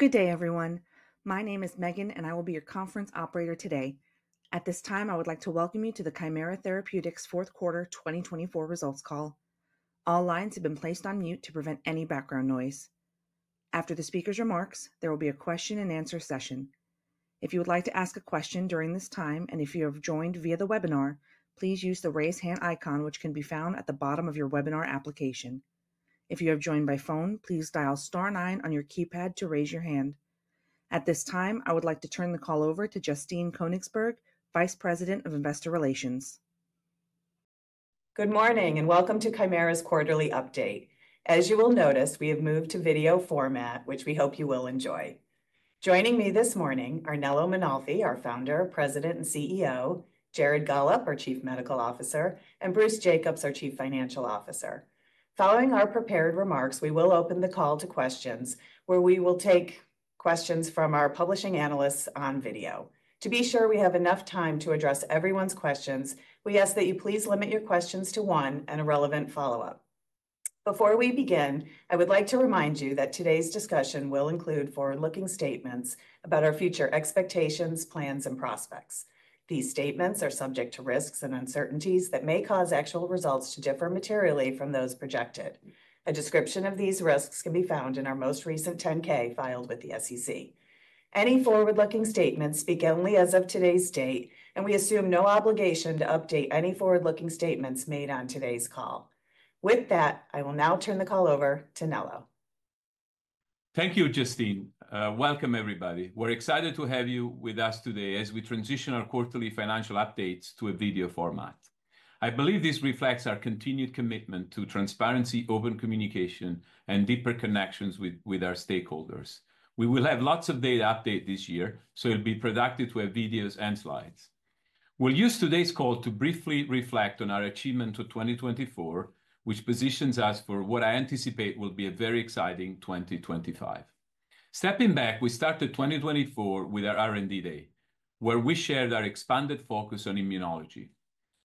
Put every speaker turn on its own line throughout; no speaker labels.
Good day, everyone. My name is Megan, and I will be your conference operator today. At this time, I would like to welcome you to the Kymera Therapeutics Fourth Quarter 2024 Results Call. All lines have been placed on mute to prevent any background noise. After the speaker's remarks, there will be a question-and-answer session. If you would like to ask a question during this time, and if you have joined via the webinar, please use the raise hand icon, which can be found at the bottom of your webinar application. If you have joined by phone, please dial star nine on your keypad to raise your hand. At this time, I would like to turn the call over to Justine Koenigsberg, Vice President of Investor Relations.
Good morning and welcome to Kymera's quarterly update. As you will notice, we have moved to video format, which we hope you will enjoy. Joining me this morning are Nello Mainolfi, our Founder, President, and CEO; Jared Gollob, our Chief Medical Officer; and Bruce Jacobs, our Chief Financial Officer. Following our prepared remarks, we will open the call to questions, where we will take questions from our publishing analysts on video. To be sure we have enough time to address everyone's questions, we ask that you please limit your questions to one and a relevant follow-up. Before we begin, I would like to remind you that today's discussion will include forward-looking statements about our future expectations, plans, and prospects. These statements are subject to risks and uncertainties that may cause actual results to differ materially from those projected. A description of these risks can be found in our most recent 10-K filed with the SEC. Any forward-looking statements speak only as of today's date, and we assume no obligation to update any forward-looking statements made on today's call. With that, I will now turn the call over to Nello.
Thank you, Justine. Welcome, everybody. We're excited to have you with us today as we transition our quarterly financial updates to a video format. I believe this reflects our continued commitment to transparency, open communication, and deeper connections with our stakeholders. We will have lots of data updates this year, so it'll be productive to have videos and slides. We'll use today's call to briefly reflect on our achievement of 2024, which positions us for what I anticipate will be a very exciting 2025. Stepping back, we started 2024 with our R&D Day, where we shared our expanded focus on immunology,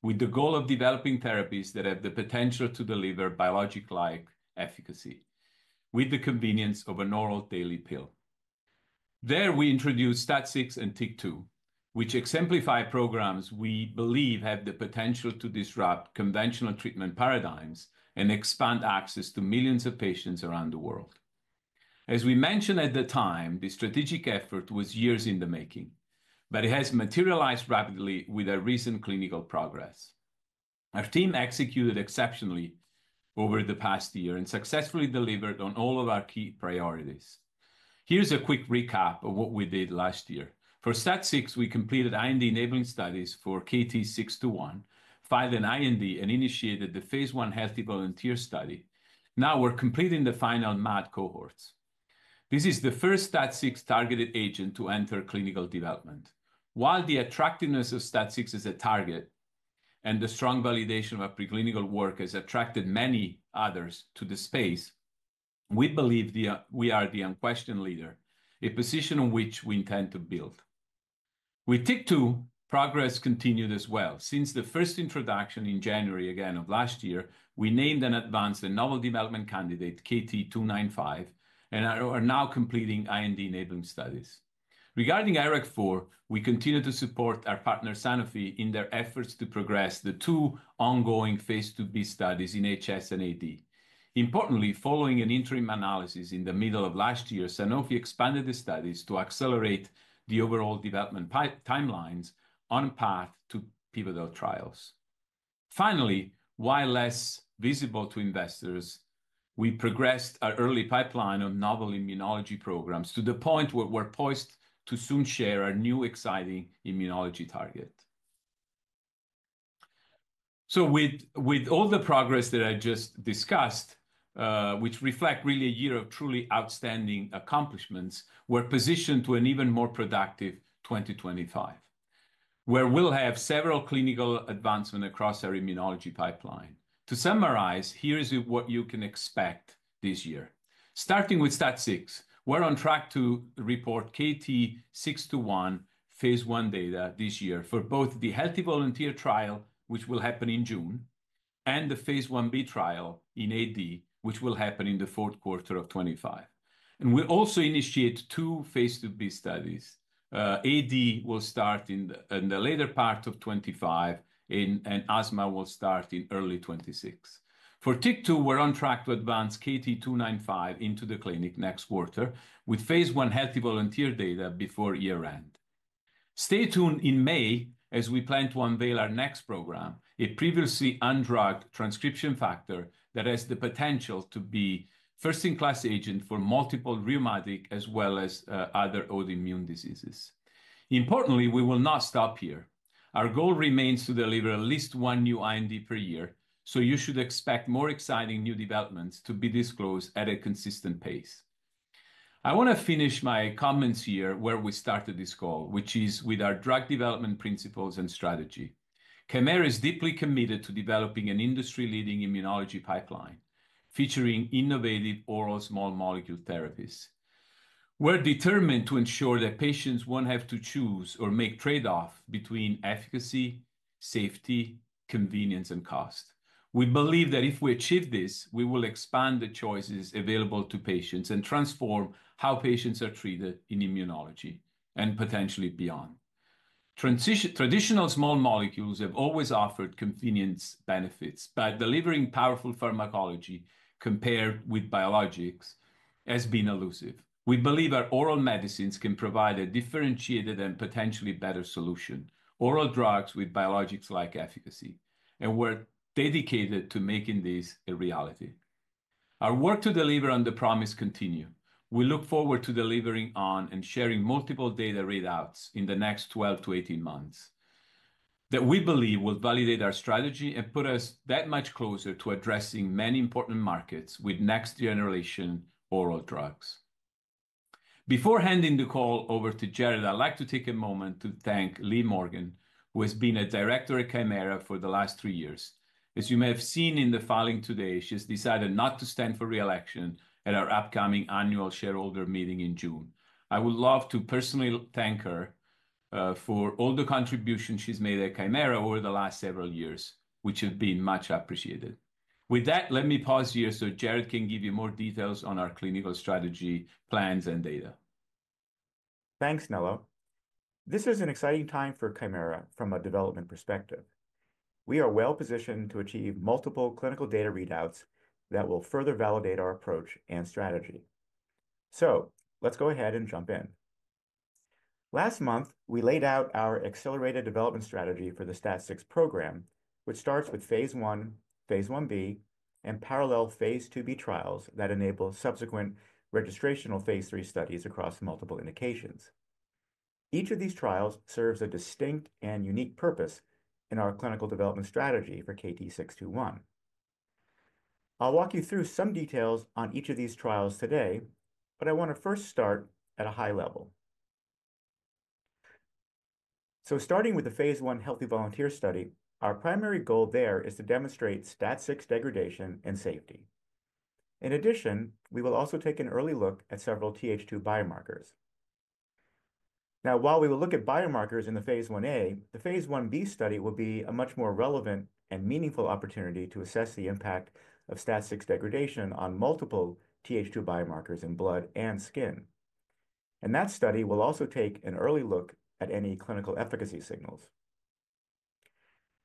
with the goal of developing therapies that have the potential to deliver biologic-like efficacy, with the convenience of an oral daily pill. There, we introduced STAT6 and TYK2, which exemplify programs we believe have the potential to disrupt conventional treatment paradigms and expand access to millions of patients around the world. As we mentioned at the time, this strategic effort was years in the making, but it has materialized rapidly with our recent clinical progress. Our team executed exceptionally over the past year and successfully delivered on all of our key priorities. Here's a quick recap of what we did last year. For STAT6, we completed IND-enabling studies for KT-621, filed an IND, and initiated the phase I healthy volunteer study. Now we're completing the final MAD cohorts. This is the first STAT6-targeted agent to enter clinical development. While the attractiveness of STAT6 is a target and the strong validation of our preclinical work has attracted many others to the space, we believe we are the unquestioned leader, a position on which we intend to build. With TYK2, progress continued as well. Since the first introduction in January again of last year, we named and advanced a novel development candidate, KT-295, and are now completing IND-enabling studies. Regarding IRAK4, we continue to support our partner, Sanofi, in their efforts to progress the two ongoing phase II-B studies in HS and AD. Importantly, following an interim analysis in the middle of last year, Sanofi expanded the studies to accelerate the overall development timelines on a path to pivotal trials. Finally, while less visible to investors, we progressed our early pipeline of novel immunology programs to the point where we're poised to soon share our new exciting immunology target, so with all the progress that I just discussed, which reflects really a year of truly outstanding accomplishments, we're positioned to an even more productive 2025, where we'll have several clinical advancements across our immunology pipeline. To summarize, here's what you can expect this year. Starting with STAT6, we're on track to report KT-621 phase I data this year for both the healthy volunteer trial, which will happen in June, and the phase I-B trial in AD, which will happen in the fourth quarter of 2025, and we'll also initiate two phase II-B studies. AD will start in the later part of 2025, and asthma will start in early 2026. For TYK2, we're on track to advance KT-295 into the clinic next quarter with phase I healthy volunteer data before year-end. Stay tuned in May as we plan to unveil our next program, a previously undrugged transcription factor that has the potential to be a first-in-class agent for multiple rheumatic as well as other autoimmune diseases. Importantly, we will not stop here. Our goal remains to deliver at least one new IND per year, so you should expect more exciting new developments to be disclosed at a consistent pace. I want to finish my comments here where we started this call, which is with our drug development principles and strategy. Kymera is deeply committed to developing an industry-leading immunology pipeline featuring innovative oral small molecule therapies. We're determined to ensure that patients won't have to choose or make trade-offs between efficacy, safety, convenience, and cost. We believe that if we achieve this, we will expand the choices available to patients and transform how patients are treated in immunology and potentially beyond. Traditional small molecules have always offered convenience benefits, but delivering powerful pharmacology compared with biologics has been elusive. We believe our oral medicines can provide a differentiated and potentially better solution: oral drugs with biologics-like efficacy. And we're dedicated to making this a reality. Our work to deliver on the promise continues. We look forward to delivering on and sharing multiple data readouts in the next 12-18 months that we believe will validate our strategy and put us that much closer to addressing many important markets with next-generation oral drugs. Before handing the call over to Jared, I'd like to take a moment to thank Leigh Morgan, who has been a director at Kymera for the last three years. As you may have seen in the filing today, she has decided not to stand for reelection at our upcoming annual shareholder meeting in June. I would love to personally thank her for all the contributions she's made at Kymera over the last several years, which have been much appreciated. With that, let me pause here so Jared can give you more details on our clinical strategy, plans, and data.
Thanks, Nello. This is an exciting time for Kymera from a development perspective. We are well positioned to achieve multiple clinical data readouts that will further validate our approach and strategy. So let's go ahead and jump in. Last month, we laid out our accelerated development strategy for the STAT6 program, which starts with phase I, phase I-B, and parallel phase II-B trials that enable subsequent registrational phase III studies across multiple indications. Each of these trials serves a distinct and unique purpose in our clinical development strategy for KT-621. I'll walk you through some details on each of these trials today, but I want to first start at a high level. So starting with the phase I healthy volunteer study, our primary goal there is to demonstrate STAT6 degradation and safety. In addition, we will also take an early look at several Th2 biomarkers. Now, while we will look at biomarkers in the phase I-A, the phase I-B study will be a much more relevant and meaningful opportunity to assess the impact of STAT6 degradation on multiple Th2 biomarkers in blood and skin, and that study will also take an early look at any clinical efficacy signals.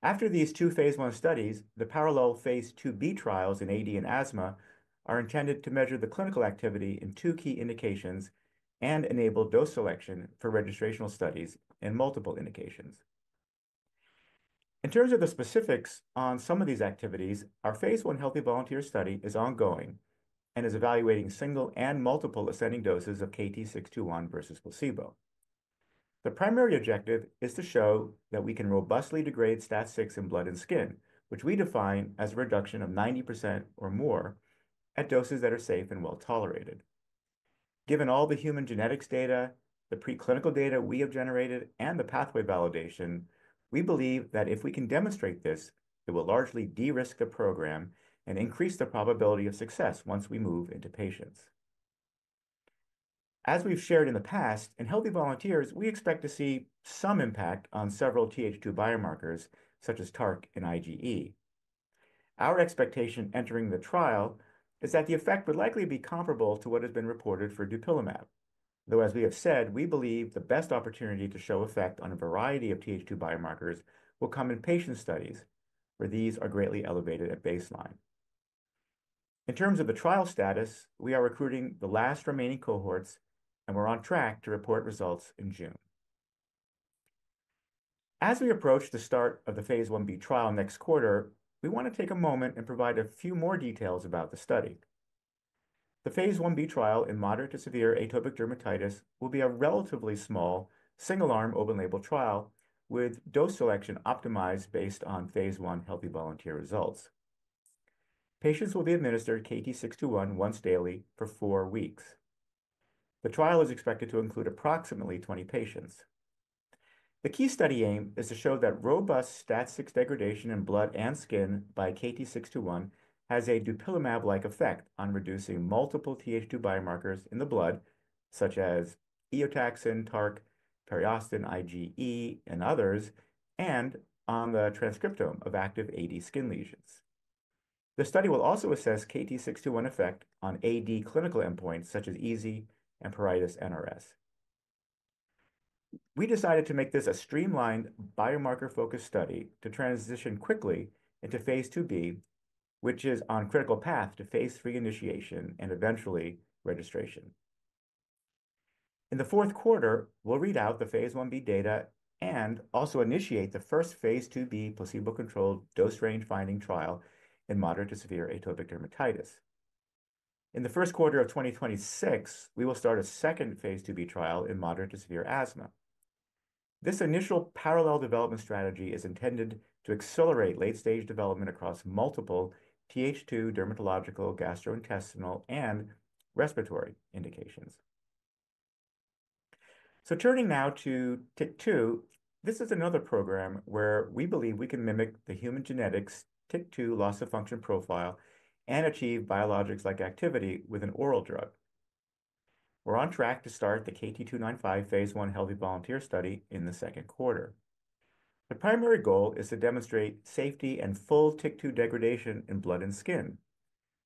After these two phase I studies, the parallel phase II-B trials in AD and asthma are intended to measure the clinical activity in two key indications and enable dose selection for registrational studies in multiple indications. In terms of the specifics on some of these activities, our phase I healthy volunteer study is ongoing and is evaluating single and multiple ascending doses of KT-621 versus placebo. The primary objective is to show that we can robustly degrade STAT6 in blood and skin, which we define as a reduction of 90% or more at doses that are safe and well tolerated. Given all the human genetics data, the preclinical data we have generated, and the pathway validation, we believe that if we can demonstrate this, it will largely de-risk the program and increase the probability of success once we move into patients. As we've shared in the past, in healthy volunteers, we expect to see some impact on several Th2 biomarkers such as TARC and IgE. Our expectation entering the trial is that the effect would likely be comparable to what has been reported for dupilumab, though, as we have said, we believe the best opportunity to show effect on a variety of Th2 biomarkers will come in patient studies, where these are greatly elevated at baseline. In terms of the trial status, we are recruiting the last remaining cohorts, and we're on track to report results in June. As we approach the start of the phase I-B trial next quarter, we want to take a moment and provide a few more details about the study. The phase I-B trial in moderate to severe atopic dermatitis will be a relatively small single-arm open-label trial with dose selection optimized based on phase I healthy volunteer results. Patients will be administered KT-621 once daily for four weeks. The trial is expected to include approximately 20 patients. The key study aim is to show that robust STAT6 degradation in blood and skin by KT-621 has a dupilumab-like effect on reducing multiple Th2 biomarkers in the blood, such as eotaxin, TARC, periostin, IgE, and others, and on the transcriptome of active AD skin lesions. The study will also assess KT-621 effect on AD clinical endpoints such as EASI and pruritus NRS. We decided to make this a streamlined biomarker-focused study to transition quickly into phase II-B, which is on a critical path to phase III initiation and eventually registration. In the fourth quarter, we'll read out the phase I-B data and also initiate the first phase II-B placebo-controlled dose range finding trial in moderate to severe atopic dermatitis. In the first quarter of 2026, we will start a second phase II-B trial in moderate to severe asthma. This initial parallel development strategy is intended to accelerate late-stage development across multiple Th2 dermatological, gastrointestinal, and respiratory indications. So turning now to TYK2, this is another program where we believe we can mimic the human genetics TYK2 loss of function profile and achieve biologics-like activity with an oral drug. We're on track to start the KT-295 phase I healthy volunteer study in the second quarter. The primary goal is to demonstrate safety and full TYK2 degradation in blood and skin,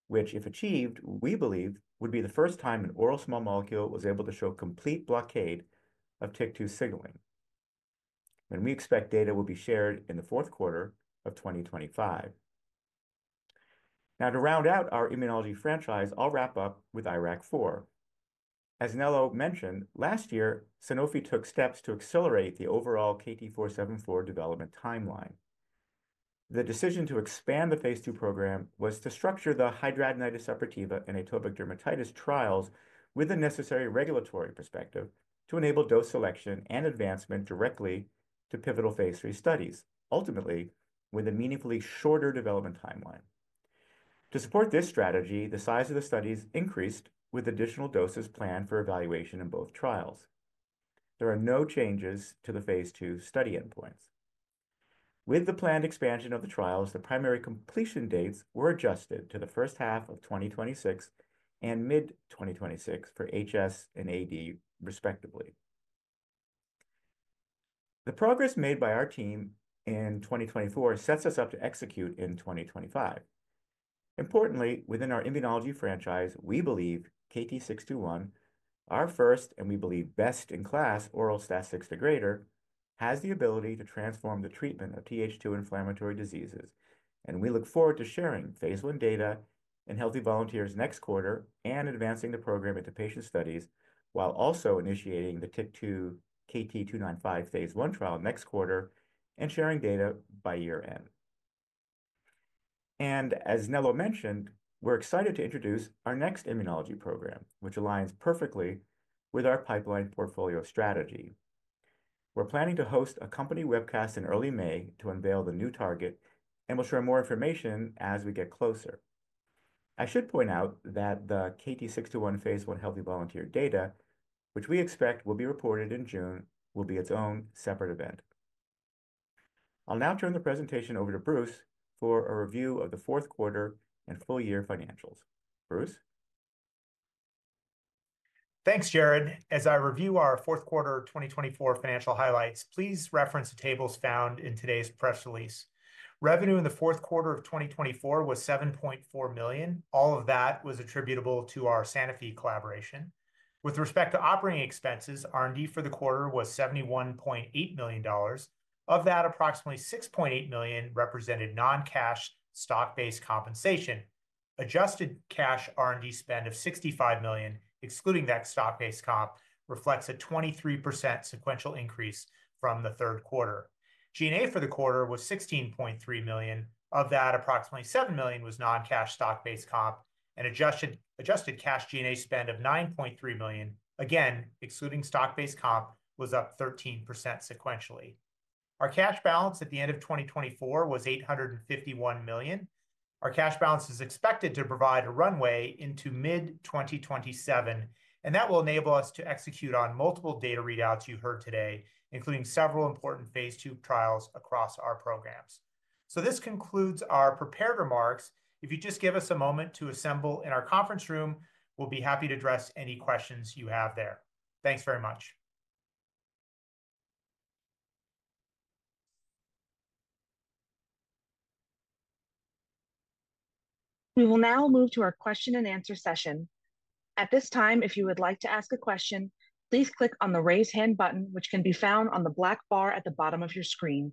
which, if achieved, we believe would be the first time an oral small molecule was able to show complete blockade of TYK2 signaling. We expect data will be shared in the fourth quarter of 2025. Now, to round out our immunology franchise, I'll wrap up with IRAK4. As Nello mentioned, last year, Sanofi took steps to accelerate the overall KT-474 development timeline. The decision to expand the phase II program was to structure the hidradenitis suppurativa and atopic dermatitis trials with the necessary regulatory perspective to enable dose selection and advancement directly to pivotal phase III studies, ultimately with a meaningfully shorter development timeline. To support this strategy, the size of the studies increased with additional doses planned for evaluation in both trials. There are no changes to the phase II study endpoints. With the planned expansion of the trials, the primary completion dates were adjusted to the first half of 2026 and mid-2026 for HS and AD, respectively. The progress made by our team in 2024 sets us up to execute in 2025. Importantly, within our immunology franchise, we believe KT-621, our first and we believe best in class oral STAT6 degrader, has the ability to transform the treatment of Th2 inflammatory diseases. And we look forward to sharing phase I data in healthy volunteers next quarter and advancing the program into patient studies while also initiating the TYK2 KT-295 phase I trial next quarter and sharing data by year-end. And as Nello mentioned, we're excited to introduce our next immunology program, which aligns perfectly with our pipeline portfolio strategy. We're planning to host a company webcast in early May to unveil the new target and will share more information as we get closer. I should point out that the KT-621 phase I healthy volunteer data, which we expect will be reported in June, will be its own separate event. I'll now turn the presentation over to Bruce for a review of the fourth quarter and full year financials. Bruce?
Thanks, Jared. As I review our fourth quarter 2024 financial highlights, please reference the tables found in today's press release. Revenue in the fourth quarter of 2024 was $7.4 million. All of that was attributable to our Sanofi collaboration. With respect to operating expenses, R&D for the quarter was $71.8 million. Of that, approximately $6.8 million represented non-cash stock-based compensation. Adjusted cash R&D spend of $65 million, excluding that stock-based comp, reflects a 23% sequential increase from the third quarter. G&A for the quarter was $16.3 million. Of that, approximately $7 million was non-cash stock-based comp, and adjusted cash G&A spend of $9.3 million, again, excluding stock-based comp, was up 13% sequentially. Our cash balance at the end of 2024 was $851 million. Our cash balance is expected to provide a runway into mid-2027, and that will enable us to execute on multiple data readouts you heard today, including several important phase II trials across our programs. This concludes our prepared remarks. If you just give us a moment to assemble in our conference room, we'll be happy to address any questions you have there. Thanks very much.
We will now move to our question-and-answer session. At this time, if you would like to ask a question, please click on the raise hand button, which can be found on the black bar at the bottom of your screen.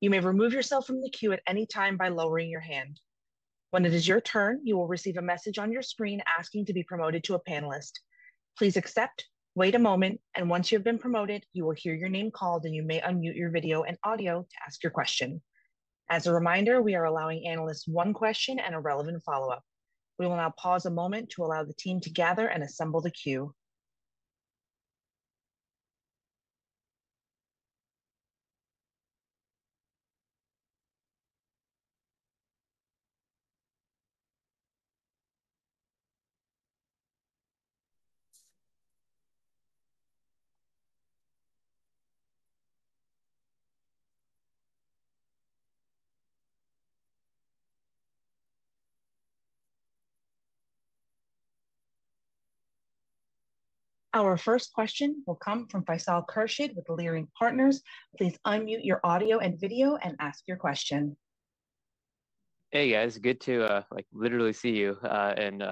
You may remove yourself from the queue at any time by lowering your hand. When it is your turn, you will receive a message on your screen asking to be promoted to a panelist. Please accept, wait a moment, and once you have been promoted, you will hear your name called and you may unmute your video and audio to ask your question. As a reminder, we are allowing analysts one question and a relevant follow-up. We will now pause a moment to allow the team to gather and assemble the queue. Our first question will come from Faisal Khurshid with Leerink Partners. Please unmute your audio and video and ask your question.
Hey, guys. Good to literally see you and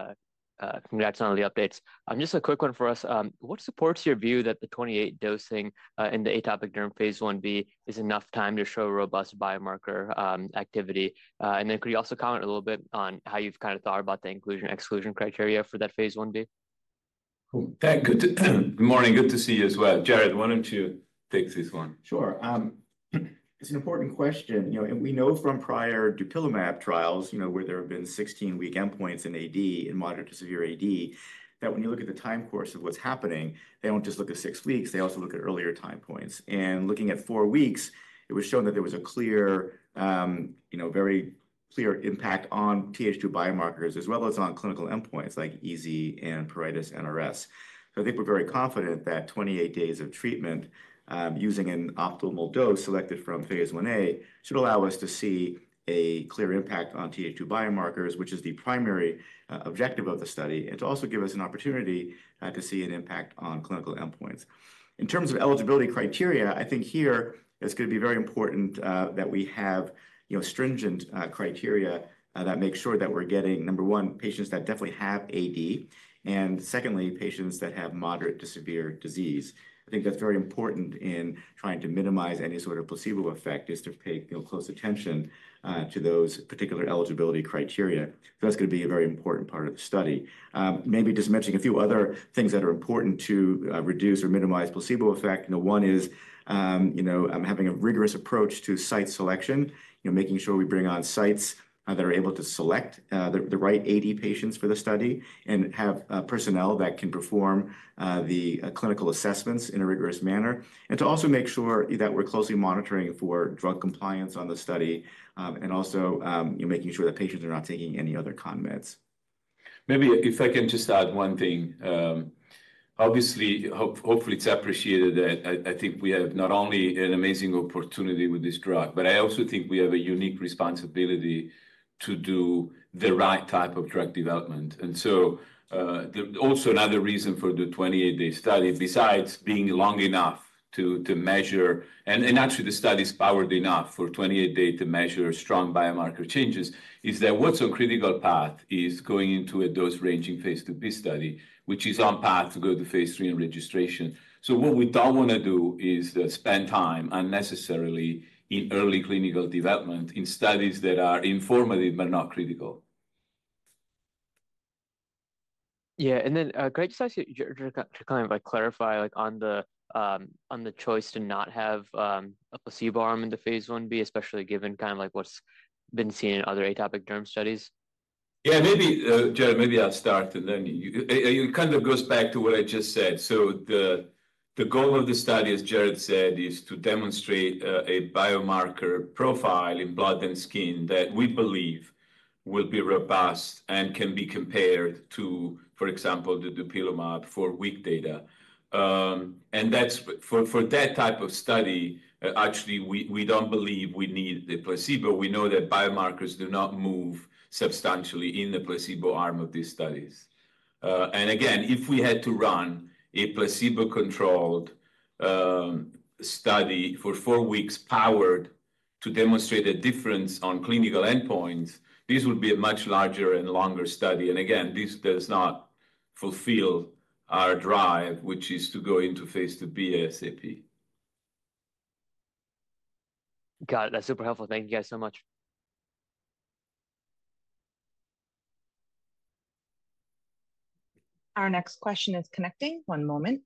congrats on all the updates. Just a quick one for us. What supports your view that the 28 dosing in the atopic derm phase I-B is enough time to show robust biomarker activity? And then could you also comment a little bit on how you've kind of thought about the inclusion/exclusion criteria for that phase I-B?
Thank you. Good morning. Good to see you as well. Jared, why don't you take this one?
Sure. It's an important question. We know from prior dupilumab trials where there have been 16-week endpoints in AD, in moderate to severe AD, that when you look at the time course of what's happening, they don't just look at six weeks. They also look at earlier time points. And looking at four weeks, it was shown that there was a clear, very clear impact on Th2 biomarkers as well as on clinical endpoints like EASI and pruritus NRS. So I think we're very confident that 28 days of treatment using an optimal dose selected from phase I-A should allow us to see a clear impact on Th2 biomarkers, which is the primary objective of the study, and to also give us an opportunity to see an impact on clinical endpoints. In terms of eligibility criteria, I think here it's going to be very important that we have stringent criteria that make sure that we're getting, number one, patients that definitely have AD, and secondly, patients that have moderate to severe disease. I think that's very important in trying to minimize any sort of placebo effect, is to pay close attention to those particular eligibility criteria. So that's going to be a very important part of the study. Maybe just mentioning a few other things that are important to reduce or minimize placebo effect. One is having a rigorous approach to site selection, making sure we bring on sites that are able to select the right AD patients for the study and have personnel that can perform the clinical assessments in a rigorous manner, and to also make sure that we're closely monitoring for drug compliance on the study and also making sure that patients are not taking any other con meds.
Maybe if I can just add one thing. Obviously, hopefully, it's appreciated that I think we have not only an amazing opportunity with this drug, but I also think we have a unique responsibility to do the right type of drug development. And so also another reason for the 28-day study, besides being long enough to measure, and actually the study is powered enough for 28 days to measure strong biomarker changes, is that what's on critical path is going into a dose-ranging phase II-B study, which is on path to go to phase III and registration. So what we don't want to do is spend time unnecessarily in early clinical development in studies that are informative but not critical.
Yeah. And then could you just kind of clarify on the choice to not have a placebo arm in the phase I-B, especially given kind of what's been seen in other atopic derm studies?
Yeah, maybe, Jared, maybe I'll start. And then it kind of goes back to what I just said. So the goal of the study, as Jared said, is to demonstrate a biomarker profile in blood and skin that we believe will be robust and can be compared to, for example, the dupilumab four-week data. And for that type of study, actually, we don't believe we need the placebo. We know that biomarkers do not move substantially in the placebo arm of these studies. And again, if we had to run a placebo-controlled study for four weeks powered to demonstrate a difference on clinical endpoints, this would be a much larger and longer study. And again, this does not fulfill our drive, which is to go into phase II-B ASAP.
Got it. That's super helpful. Thank you guys so much.
Our next question is connecting. One moment.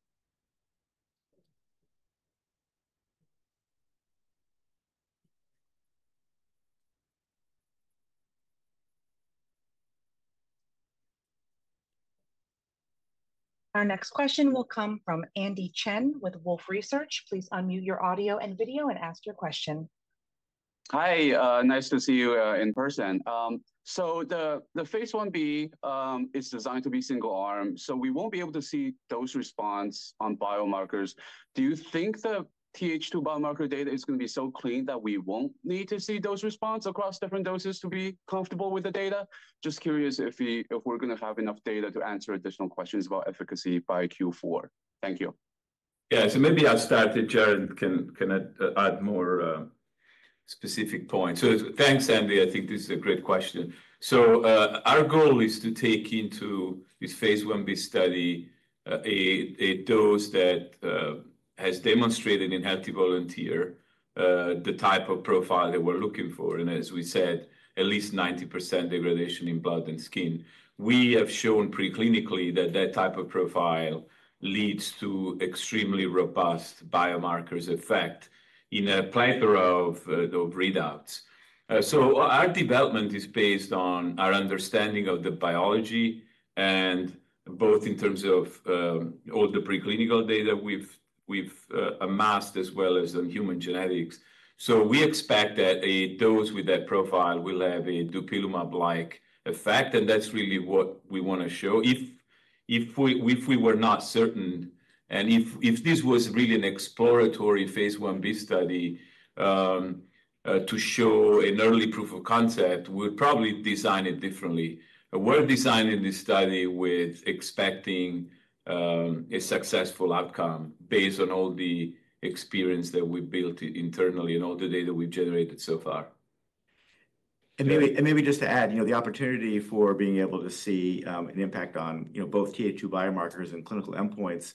Our next question will come from Andy Chen with Wolfe Research. Please unmute your audio and video and ask your question.
Hi. Nice to see you in person. So the phase I-B is designed to be single arm. So we won't be able to see dose response on biomarkers. Do you think the Th2 biomarker data is going to be so clean that we won't need to see dose response across different doses to be comfortable with the data? Just curious if we're going to have enough data to answer additional questions about efficacy by Q4. Thank you.
Yeah. So maybe I'll start. Jared can add more specific points. So thanks, Andy. I think this is a great question. So our goal is to take into this phase I-B study a dose that has demonstrated in healthy volunteers the type of profile that we're looking for. And as we said, at least 90% degradation in blood and skin. We have shown preclinically that that type of profile leads to extremely robust biomarker effects in a plethora of readouts. So our development is based on our understanding of the biology and both in terms of all the preclinical data we've amassed as well as on human genetics. So we expect that those with that profile will have a dupilumab-like effect. And that's really what we want to show. If we were not certain, and if this was really an exploratory phase I-B study to show an early proof of concept, we would probably design it differently. We're designing this study with expecting a successful outcome based on all the experience that we've built internally and all the data we've generated so far.
And maybe just to add, the opportunity for being able to see an impact on both Th2 biomarkers and clinical endpoints,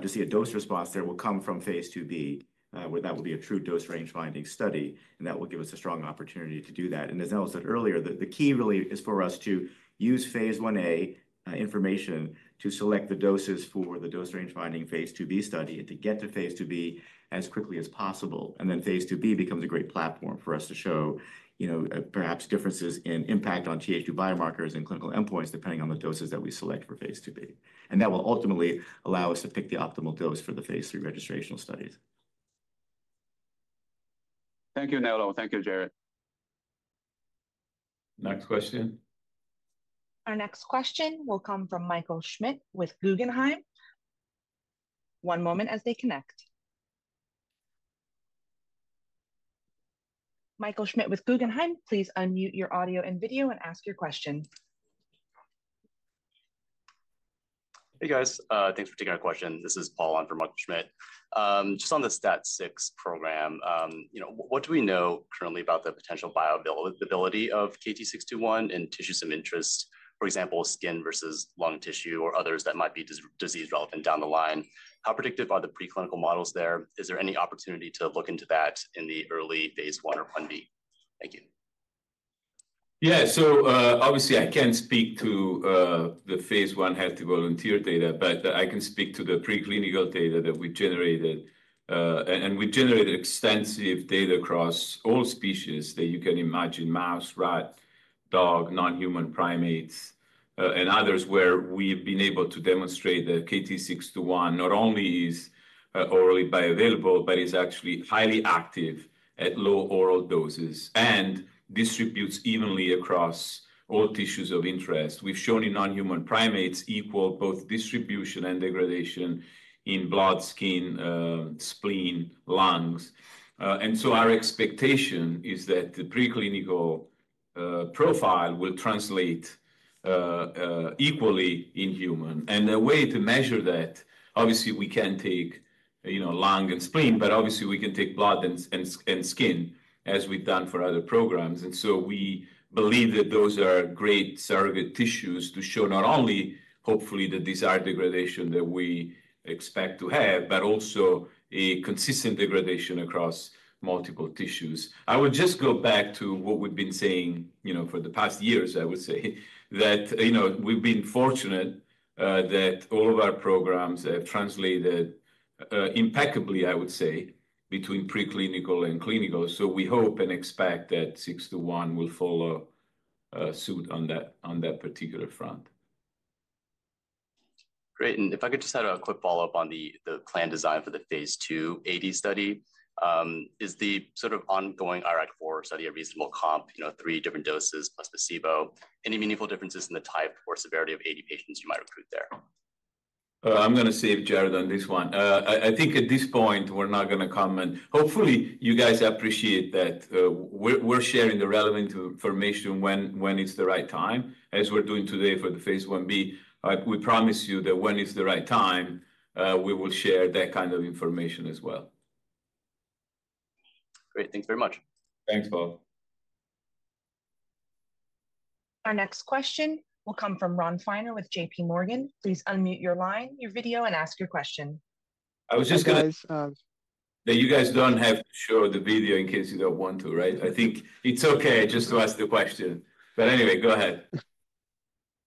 to see a dose response there will come from phase II-B, where that will be a true dose range finding study. And that will give us a strong opportunity to do that. And as Nello said earlier, the key really is for us to use phase I-A information to select the doses for the dose range finding phase II-B study and to get to phase II-B as quickly as possible. And that will ultimately allow us to pick the optimal dose for the phase III registrational studies.
Thank you, Nello. Thank you, Jared.
Next question.
Our next question will come from Michael Schmidt with Guggenheim. One moment as they connect. Michael Schmidt with Guggenheim, please unmute your audio and video and ask your question.
Hey, guys. Thanks for taking our question. This is Paul on for Michael Schmidt. Just on the STAT6 program, what do we know currently about the potential bioavailability of KT-621 in tissues of interest, for example, skin versus lung tissue or others that might be disease relevant down the line? How predictive are the preclinical models there? Is there any opportunity to look into that in the early phase I or I-B? Thank you.
Yeah. So obviously, I can't speak to the phase I healthy volunteer data, but I can speak to the preclinical data that we generated. And we generated extensive data across all species that you can imagine: mouse, rat, dog, non-human primates, and others where we've been able to demonstrate that KT-621 not only is orally bioavailable, but is actually highly active at low oral doses and distributes evenly across all tissues of interest. We've shown in non-human primates equal both distribution and degradation in blood, skin, spleen, lungs. And so our expectation is that the preclinical profile will translate equally in human. And a way to measure that, obviously, we can take lung and spleen, but obviously, we can take blood and skin as we've done for other programs. And so we believe that those are great surrogate tissues to show not only hopefully the desired degradation that we expect to have, but also a consistent degradation across multiple tissues. I would just go back to what we've been saying for the past years, I would say, that we've been fortunate that all of our programs have translated impeccably, I would say, between preclinical and clinical. So we hope and expect that KT-621 will follow suit on that particular front.
Great. And if I could just add a quick follow-up on the plan design for the phase II AD study, is the sort of ongoing IRAK4 study a reasonable comp, three different doses plus placebo? Any meaningful differences in the type or severity of AD patients you might recruit there?
I'm going to save Jared on this one. I think at this point, we're not going to comment. Hopefully, you guys appreciate that we're sharing the relevant information when it's the right time, as we're doing today for the phase I-B. We promise you that when it's the right time, we will share that kind of information as well.
Great. Thanks very much.
Thanks, Paul.
Our next question will come from Ron Feiner with JPMorgan. Please unmute your line, your video, and ask your question.
I was just going to that you guys don't have to show the video in case you don't want to, right? I think it's okay just to ask the question. But anyway, go ahead.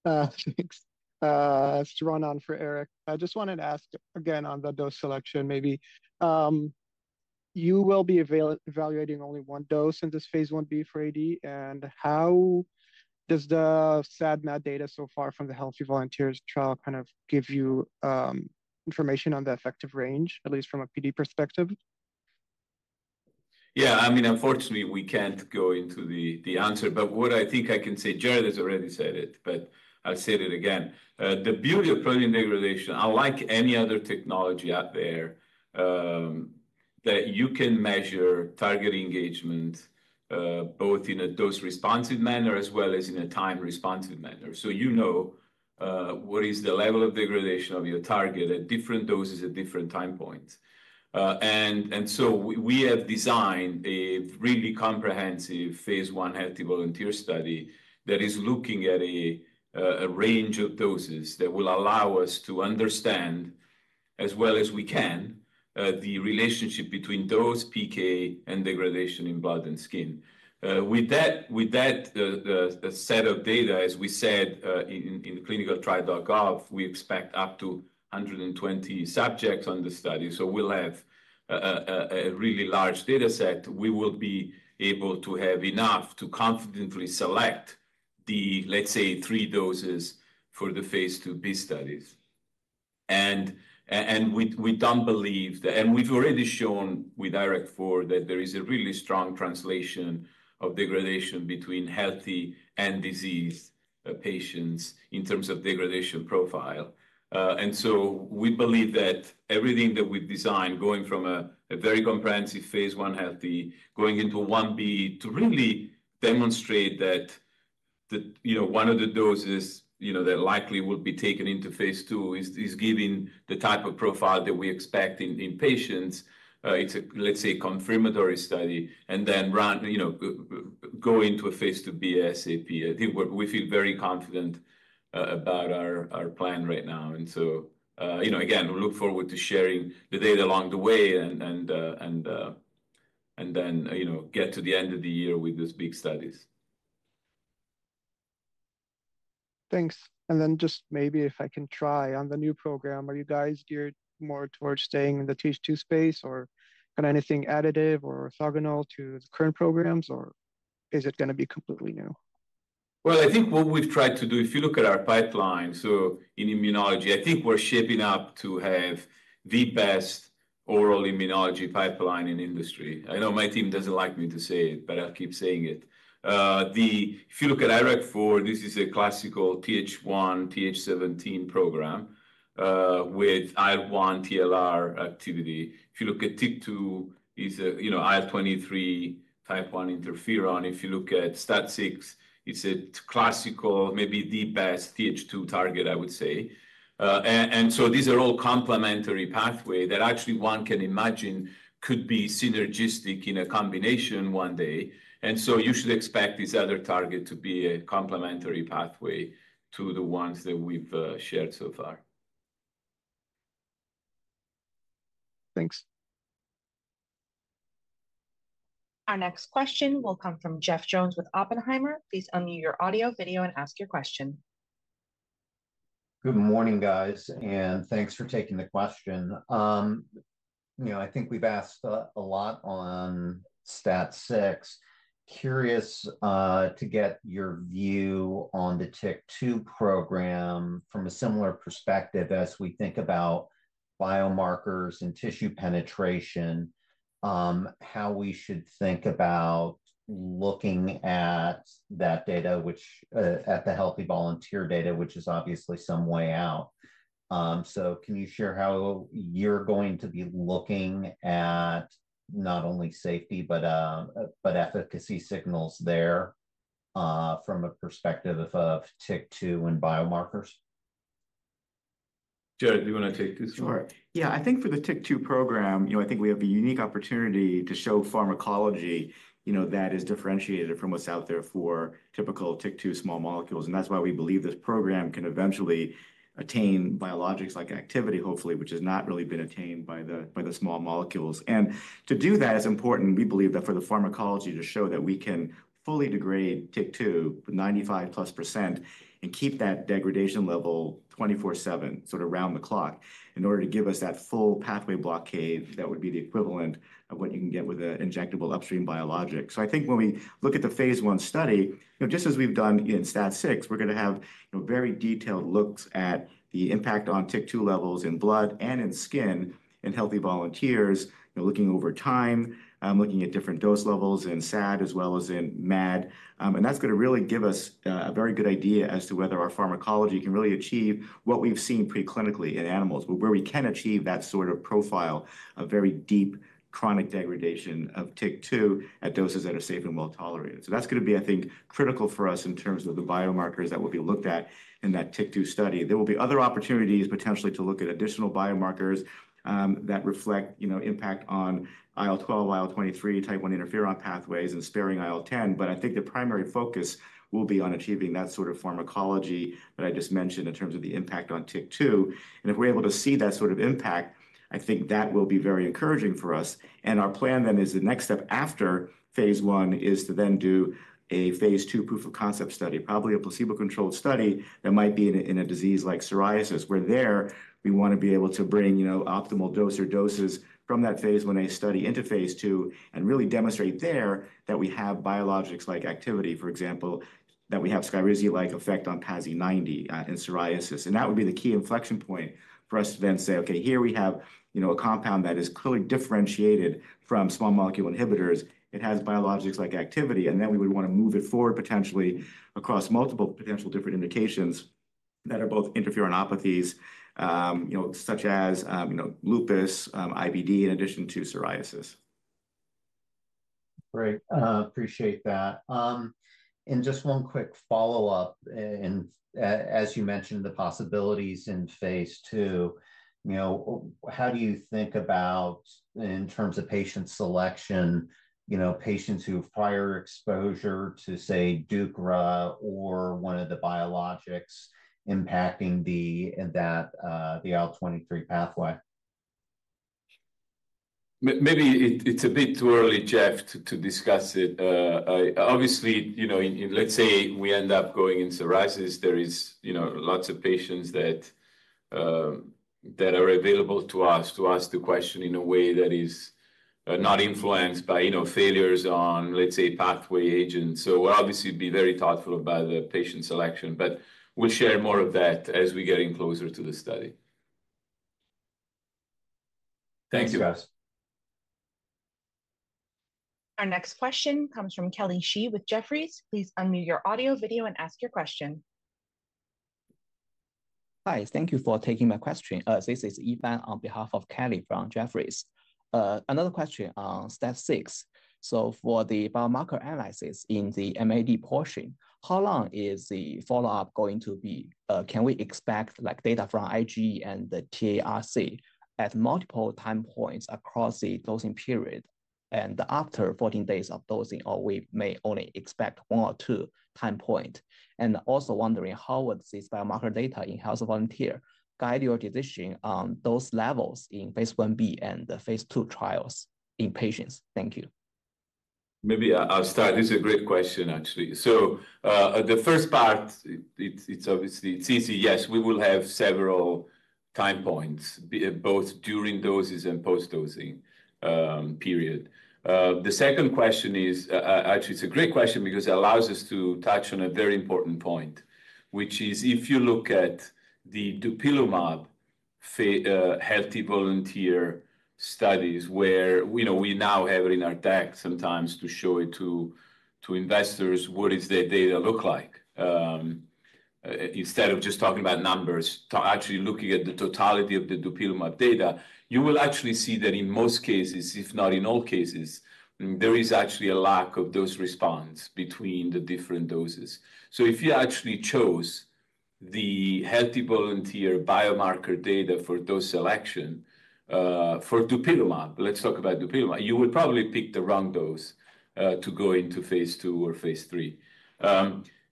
Thanks. It's Ron on for Eric. I just wanted to ask again on the dose selection. Maybe you will be evaluating only one dose in this phase I-B for AD. And how does the STAT6 data so far from the healthy volunteers trial kind of give you information on the effective range, at least from a PD perspective? Yeah. I mean, unfortunately, we can't go into the answer. But what I think I can say, Jared has already said it, but I'll say it again. The beauty of protein degradation, unlike any other technology out there, that you can measure target engagement both in a dose-responsive manner as well as in a time-responsive manner. So you know what is the level of degradation of your target at different doses at different time points. And so we have designed a really comprehensive phase I healthy volunteer study that is looking at a range of doses that will allow us to understand, as well as we can, the relationship between dose, PK, and degradation in blood and skin. With that set of data, as we said in clinicaltrials.gov, we expect up to 120 subjects on the study. So we'll have a really large data set. We will be able to have enough to confidently select the, let's say, three doses for the phase II-B studies. And we don't believe that, and we've already shown with IRAK4 that there is a really strong translation of degradation between healthy and diseased patients in terms of degradation profile. And so we believe that everything that we've designed, going from a very comprehensive phase I healthy, going into 1b to really demonstrate that one of the doses that likely will be taken into phase II is giving the type of profile that we expect in patients, it's a, let's say, confirmatory study, and then go into a phase II-B ASAP. I think we feel very confident about our plan right now. So again, we look forward to sharing the data along the way and then get to the end of the year with these big studies. Thanks. And then just maybe if I can try on the new program, are you guys geared more towards staying in the phase II space, or kind of anything additive or orthogonal to the current programs, or is it going to be completely new?
I think what we've tried to do, if you look at our pipeline, so in immunology, I think we're shaping up to have the best oral immunology pipeline in industry. I know my team doesn't like me to say it, but I'll keep saying it. If you look at IRAK4, this is a classical Th1, Th17 program with IL-1 TLR activity. If you look at TYK2, it's IL-23, Type 1 interferon. If you look at STAT6, it's a classical, maybe the best Th2 target, I would say. These are all complementary pathways that actually one can imagine could be synergistic in a combination one day. You should expect this other target to be a complementary pathway to the ones that we've shared so far.
Thanks.
Our next question will come from Jeff Jones with Oppenheimer. Please unmute your audio, video, and ask your question.
Good morning, guys, and thanks for taking the question. I think we've asked a lot on STAT6. Curious to get your view on the TYK2 program from a similar perspective as we think about biomarkers and tissue penetration, how we should think about looking at that data, which is the healthy volunteer data, which is obviously some way out. Can you share how you're going to be looking at not only safety, but efficacy signals there from a perspective of TYK2 and biomarkers?
Jared, do you want to take this one?
Sure. Yeah. I think for the TYK2 program, I think we have a unique opportunity to show pharmacology that is differentiated from what's out there for typical TYK2 small molecules. And that's why we believe this program can eventually attain biologics-like activity, hopefully, which has not really been attained by the small molecules. And to do that, it's important, we believe, for the pharmacology to show that we can fully degrade TYK2 95-plus percent and keep that degradation level 24/7, sort of round the clock, in order to give us that full pathway blockade that would be the equivalent of what you can get with an injectable upstream biologic. So I think when we look at the phase I study, just as we've done in STAT6, we're going to have very detailed looks at the impact on TYK2 levels in blood and in skin in healthy volunteers, looking over time, looking at different dose levels in SAD as well as in MAD. And that's going to really give us a very good idea as to whether our pharmacology can really achieve what we've seen preclinically in animals, where we can achieve that sort of profile of very deep chronic degradation of TYK2 at doses that are safe and well tolerated. So that's going to be, I think, critical for us in terms of the biomarkers that will be looked at in that TYK2 study. There will be other opportunities potentially to look at additional biomarkers that reflect impact on IL-12, IL-23, Type 1 interferon pathways, and sparing IL-10. But I think the primary focus will be on achieving that sort of pharmacology that I just mentioned in terms of the impact on TYK2, and if we're able to see that sort of impact, I think that will be very encouraging for us, and our plan then is the next step after phase I is to then do a phase II proof of concept study, probably a placebo-controlled study that might be in a disease like psoriasis, where we want to be able to bring optimal dose or doses from that phase I-A study into phase II and really demonstrate there that we have biologics-like activity, for example, that we have SKYRIZI-like effect on PASI 90 in psoriasis, and that would be the key inflection point for us to then say, okay, here we have a compound that is clearly differentiated from small molecule inhibitors. It has biologics-like activity, and then we would want to move it forward potentially across multiple potential different indications that are both interferonopathies, such as lupus, IBD, in addition to psoriasis.
Great. Appreciate that, and just one quick follow-up, and as you mentioned, the possibilities in phase II, how do you think about in terms of patient selection, patients who have prior exposure to, say, deucravacitinib or one of the biologics impacting that IL-23 pathway?
Maybe it's a bit too early, Jeff, to discuss it. Obviously, let's say we end up going in psoriasis. There are lots of patients that are available to us to ask the question in a way that is not influenced by failures on, let's say, pathway agents. So we'll obviously be very thoughtful about the patient selection, but we'll share more of that as we get in closer to the study. Thank you, guys.
Our next question comes from Kelly Shi with Jefferies. Please unmute your audio, video, and ask your question.
Hi. Thank you for taking my question. This is Yiban on behalf of Kelly from Jefferies. Another question on STAT6. So for the biomarker analysis in the MAD portion, how long is the follow-up going to be? Can we expect data from IgE and the TARC at multiple time points across the dosing period? And after 14 days of dosing, or we may only expect one or two points? And also wondering how would this biomarker data in healthy volunteers guide your decision on dose levels in phase I-B and phase II trials in patients? Thank you.
Maybe I'll start. This is a great question, actually. So the first part, it's obviously easy. Yes, we will have several time points, both during doses and post-dosing period. The second question is, actually, it's a great question because it allows us to touch on a very important point, which is if you look at the dupilumab healthy volunteer studies, where we now have it in our tech sometimes to show it to investors, what does that data look like? Instead of just talking about numbers, actually looking at the totality of the dupilumab data, you will actually see that in most cases, if not in all cases, there is actually a lack of dose response between the different doses. If you actually chose the healthy volunteer biomarker data for dose selection for dupilumab, let's talk about dupilumab, you would probably pick the wrong dose to go into phase II or phase III.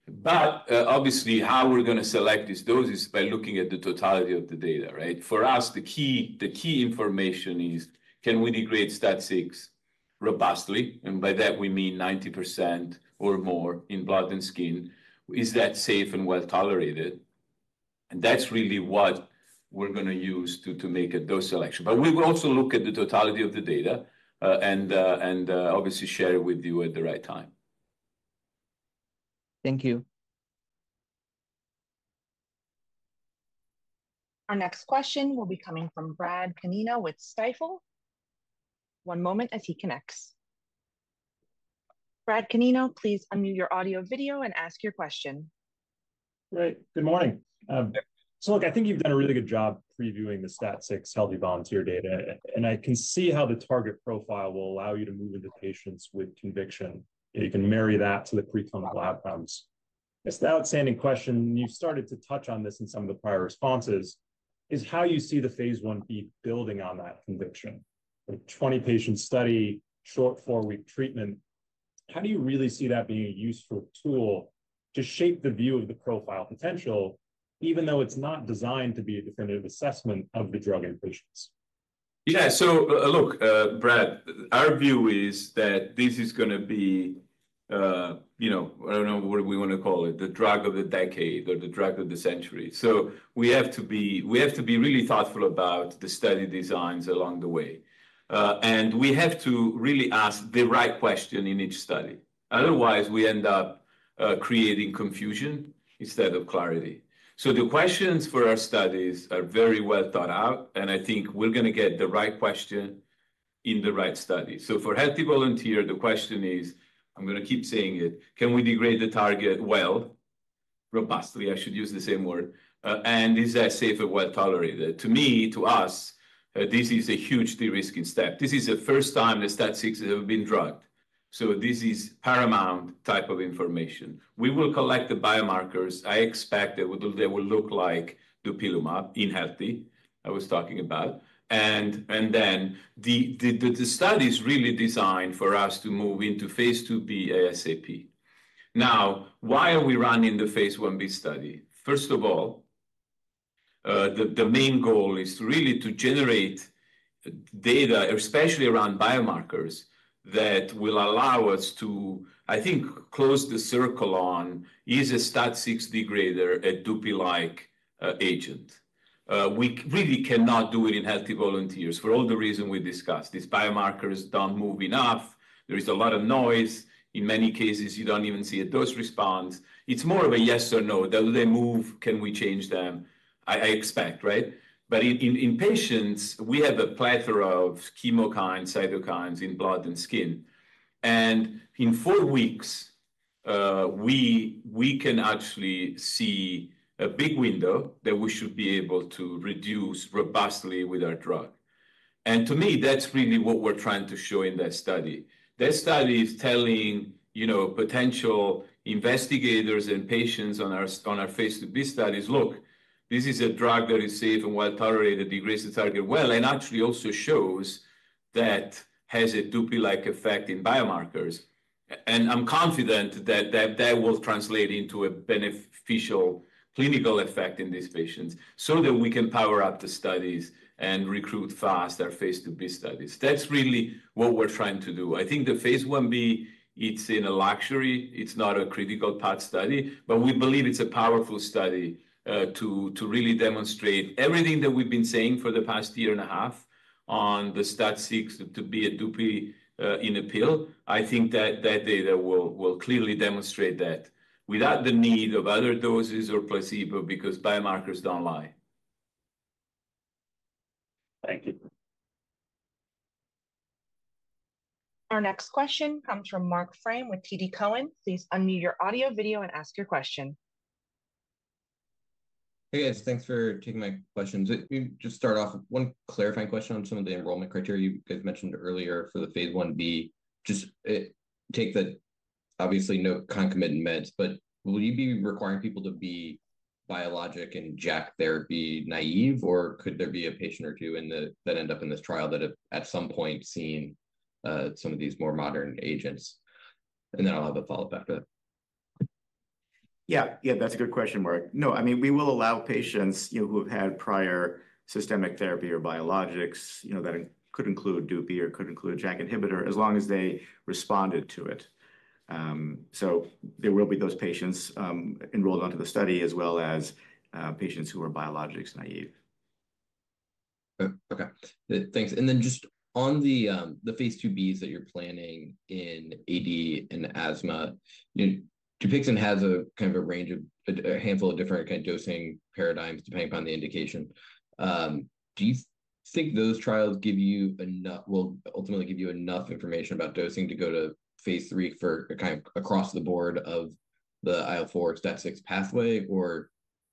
But obviously, how we're going to select these doses is by looking at the totality of the data, right? For us, the key information is, can we degrade STAT6 robustly? And by that, we mean 90% or more in blood and skin. Is that safe and well tolerated? And that's really what we're going to use to make a dose selection. But we will also look at the totality of the data and obviously share it with you at the right time.
Thank you.
Our next question will be coming from Brad Canino with Stifel. One moment as he connects. Brad Canino, please unmute your audio, video, and ask your question.
Good morning. So look, I think you've done a really good job previewing the STAT6 healthy volunteer data. And I can see how the target profile will allow you to move into patients with conviction. You can marry that to the preclinical outcomes. It's an outstanding question. You've started to touch on this in some of the prior responses. Is how you see the phase I-B building on that conviction? 20-patient study, short four-week treatment. How do you really see that being a useful tool to shape the view of the profile potential, even though it's not designed to be a definitive assessment of the drug in patients?
Yeah. So look, Brad, our view is that this is going to be, I don't know what we want to call it, the drug of the decade or the drug of the century. So we have to be really thoughtful about the study designs along the way. And we have to really ask the right question in each study. Otherwise, we end up creating confusion instead of clarity. So the questions for our studies are very well thought out. And I think we're going to get the right question in the right study. So for healthy volunteer, the question is, I'm going to keep saying it, can we degrade the target well, robustly? I should use the same word. And is that safe and well tolerated? To me, to us, this is a huge de-risking step. This is the first time the STAT6 has ever been drugged. So this is paramount type of information. We will collect the biomarkers. I expect that they will look like dupilumab in healthy, I was talking about. And then the study is really designed for us to move into phase II-B ASAP. Now, why are we running the phase I-B study? First of all, the main goal is really to generate data, especially around biomarkers, that will allow us to, I think, close the circle on, is a STAT6 degrader a dupi-like agent? We really cannot do it in healthy volunteers for all the reasons we discussed. These biomarkers don't move enough. There is a lot of noise. In many cases, you don't even see a dose response. It's more of a yes or no. Do they move? Can we change them? I expect, right? But in patients, we have a plethora of chemokines, cytokines in blood and skin. In four weeks, we can actually see a big window that we should be able to reduce robustly with our drug. To me, that's really what we're trying to show in that study. That study is telling potential investigators and patients on our phase II-B studies, look, this is a drug that is safe and well tolerated, degrades the target well, and actually also shows that it has a dupi-like effect in biomarkers. I'm confident that that will translate into a beneficial clinical effect in these patients so that we can power up the studies and recruit fast our phase II-B studies. That's really what we're trying to do. I think the phase I-B, it's a luxury. It's not a critical path study, but we believe it's a powerful study to really demonstrate everything that we've been saying for the past year and a half on the STAT6 to be a dupi in a pill. I think that data will clearly demonstrate that without the need of other doses or placebo because biomarkers don't lie.
Thank you.
Our next question comes from Marc Frahm with TD Cowen. Please unmute your audio, video, and ask your question.
Hey, guys. Thanks for taking my questions. Just start off with one clarifying question on some of the enrollment criteria you guys mentioned earlier for the phase I-B. Just take the obviously no concomitant meds, but will you be requiring people to be biologic and JAK therapy naive, or could there be a patient or two that end up in this trial that have at some point seen some of these more modern agents? And then I'll have a follow-up after that.
Yeah. Yeah, that's a good question, Mark. No, I mean, we will allow patients who have had prior systemic therapy or biologics that could include dupi or could include JAK inhibitor as long as they responded to it. So there will be those patients enrolled onto the study as well as patients who are biologics naive.
Okay. Thanks. And then just on the phase II-B's that you're planning in AD and asthma, DUPIXENT has a kind of a range of a handful of different kind of dosing paradigms depending upon the indication. Do you think those trials give you enough, will ultimately give you enough information about dosing to go to phase III for kind of across the board of the IL-4 or STAT6 pathway, or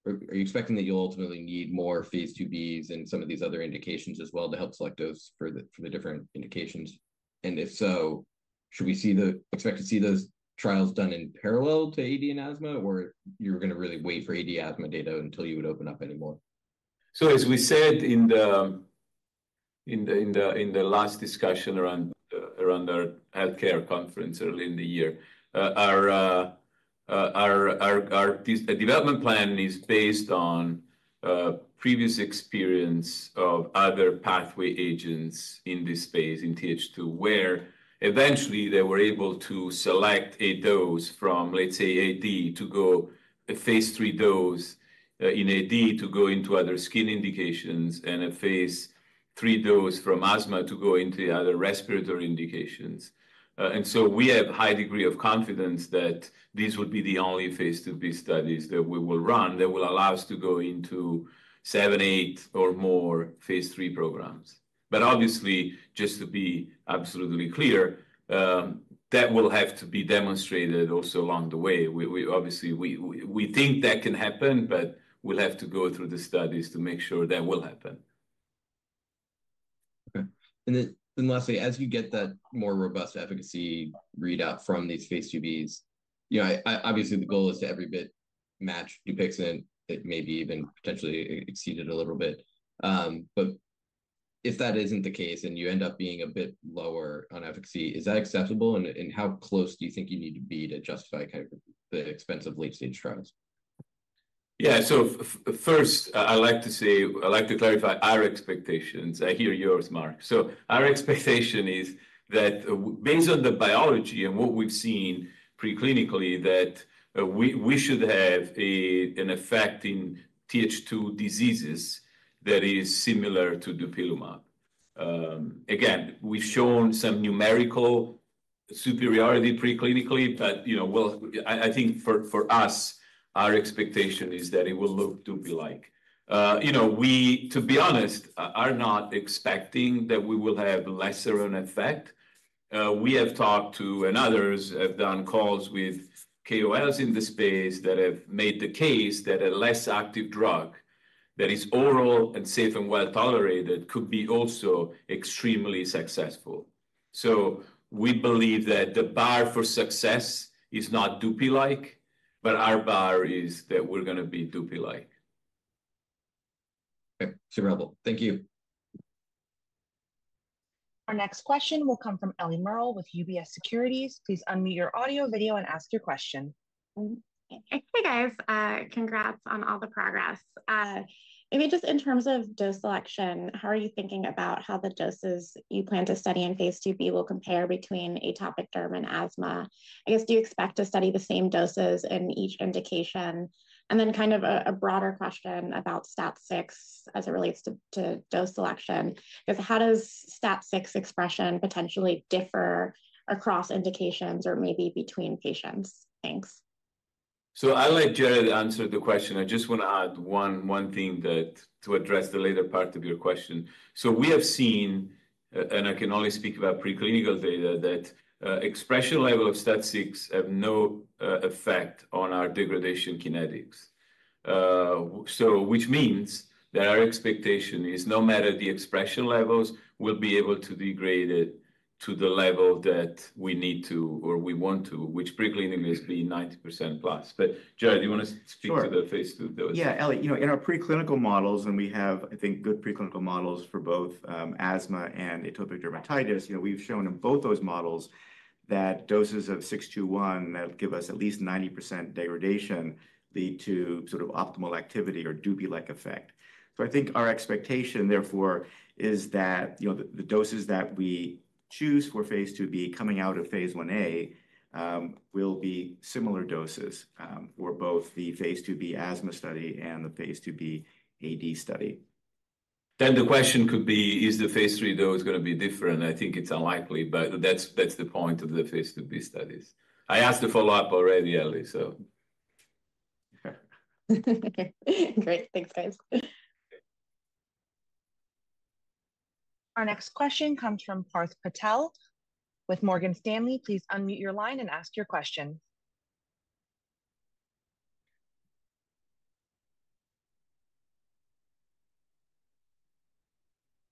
are you expecting that you'll ultimately need more phase II-B's and some of these other indications as well to help select those for the different indications? And if so, should we expect to see those trials done in parallel to AD and asthma, or you're going to really wait for AD asthma data until you would open up any more?
So as we said in the last discussion around our healthcare conference early in the year, our development plan is based on previous experience of other pathway agents in this space in Th2, where eventually they were able to select a dose from, let's say, AD to go a phase III dose in AD to go into other skin indications and a phase III dose from asthma to go into other respiratory indications. And so we have a high degree of confidence that these would be the only phase II-B studies that we will run that will allow us to go into seven, eight, or more phase III programs. But obviously, just to be absolutely clear, that will have to be demonstrated also along the way. Obviously, we think that can happen, but we'll have to go through the studies to make sure that will happen. Okay. And then lastly, as you get that more robust efficacy readout from these phase II-B's, obviously, the goal is to every bit match DUPIXENT. It may be even potentially exceeded a little bit. But if that isn't the case and you end up being a bit lower on efficacy, is that acceptable? And how close do you think you need to be to justify kind of the expense of late-stage trials? Yeah. So first, I like to say, I like to clarify our expectations. I hear yours, Mark. So our expectation is that based on the biology and what we've seen preclinically, that we should have an effect in Th2 diseases that is similar to dupilumab. Again, we've shown some numerical superiority preclinically, but I think for us, our expectation is that it will look dupi-like. We, to be honest, are not expecting that we will have lesser of an effect. We have talked to and others have done calls with KOLs in the space that have made the case that a less active drug that is oral and safe and well tolerated could be also extremely successful. So we believe that the bar for success is not dupi-like, but our bar is that we're going to be dupi-like. Okay. Super helpful. Thank you.
Our next question will come from Ellie Merle with UBS Securities. Please unmute your audio, video, and ask your question.
Hey, guys. Congrats on all the progress. Maybe just in terms of dose selection, how are you thinking about how the doses you plan to study in phase II-B will compare between atopic derm and asthma? I guess, do you expect to study the same doses in each indication? And then kind of a broader question about STAT6 as it relates to dose selection. How does STAT6 expression potentially differ across indications or maybe between patients? Thanks.
So, like, Jared answered the question. I just want to add one thing to address the later part of your question. So we have seen, and I can only speak about preclinical data, that expression level of STAT6 have no effect on our degradation kinetics, which means that our expectation is no matter the expression levels, we'll be able to degrade it to the level that we need to or we want to, which preclinically is being 90% plus. But Jared, do you want to speak to the phase II dose?
Yeah. Ellie, in our preclinical models, and we have, I think, good preclinical models for both asthma and atopic dermatitis, we've shown in both those models that doses of 621 that give us at least 90% degradation lead to sort of optimal activity or dupi-like effect. So I think our expectation, therefore, is that the doses that we choose for phase II-B coming out of phase I-A will be similar doses for both the phase II-B asthma study and the phase II-B AD study.
Then the question could be, is the phase III dose going to be different? I think it's unlikely, but that's the point of the phase II-B studies. I asked the follow-up already, Ellie, so.
Okay. Great. Thanks, guys.
Our next question comes from Parth Patel with Morgan Stanley. Please unmute your line and ask your question.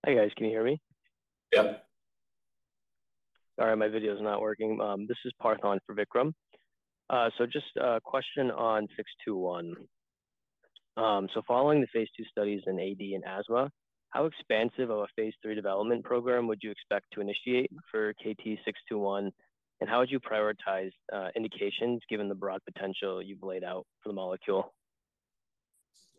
Hey, guys. Can you hear me? Yeah.
Sorry, my video is not working. This is Parth on for Vikram. Just a question on 621. Following the phase II studies in AD and asthma, how expansive of a phase III development program would you expect to initiate for KT-621? And how would you prioritize indications given the broad potential you've laid out for the molecule?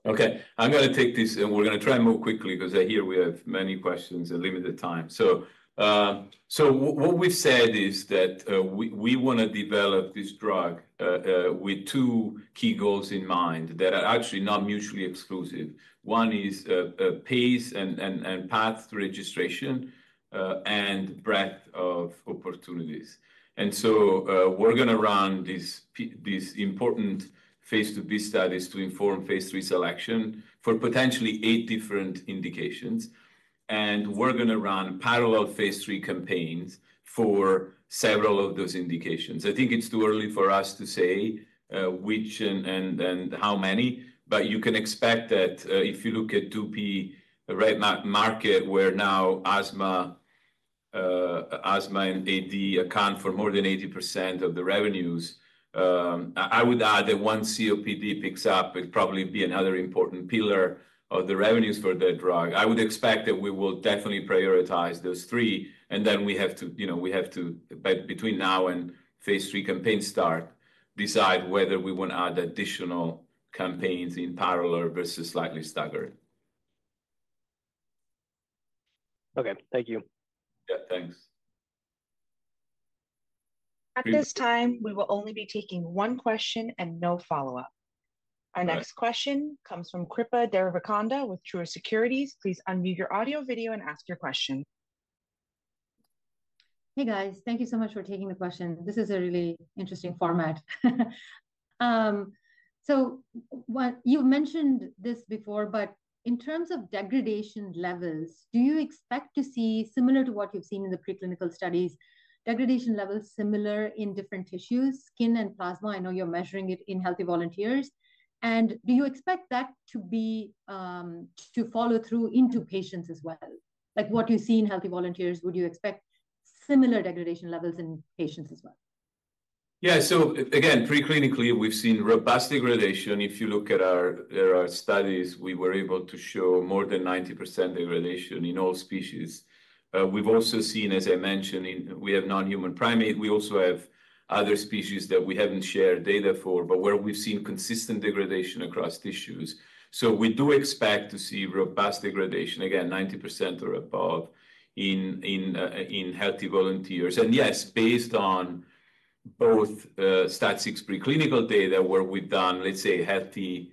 Okay. I'm going to take this, and we're going to try and move quickly because I hear we have many questions and limited time. So what we've said is that we want to develop this drug with two key goals in mind that are actually not mutually exclusive. One is pace and path to registration and breadth of opportunities. And so we're going to run these important phase II-B studies to inform phase III selection for potentially eight different indications. And we're going to run parallel phase III campaigns for several of those indications. I think it's too early for us to say which and how many, but you can expect that if you look at DUPIXENT-like market, where now asthma and AD account for more than 80% of the revenues, I would add that once COPD picks up, it'd probably be another important pillar of the revenues for that drug. I would expect that we will definitely prioritize those three. And then we have to, between now and phase III campaign start, decide whether we want to add additional campaigns in parallel versus slightly staggered. Okay. Thank you.
Yeah. Thanks.
At this time, we will only be taking one question and no follow-up. Our next question comes from Kripa Devarakonda with Truist Securities. Please unmute your audio, video, and ask your question.
Hey, guys. Thank you so much for taking the question. This is a really interesting format. So you've mentioned this before, but in terms of degradation levels, do you expect to see, similar to what you've seen in the preclinical studies, degradation levels similar in different tissues, skin and plasma? I know you're measuring it in healthy volunteers. And do you expect that to follow through into patients as well? What you see in healthy volunteers, would you expect similar degradation levels in patients as well?
Yeah. So again, preclinically, we've seen robust degradation. If you look at our studies, we were able to show more than 90% degradation in all species. We've also seen, as I mentioned, we have non-human primates. We also have other species that we haven't shared data for, but where we've seen consistent degradation across tissues. So we do expect to see robust degradation, again, 90% or above in healthy volunteers. And yes, based on both STAT6 preclinical data where we've done, let's say, healthy